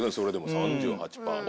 ３８％は。